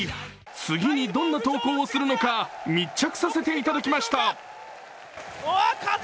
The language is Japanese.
次にどんな投稿をするのか、密着させていただきました。